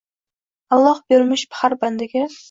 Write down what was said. Аlloh bermish har bandaga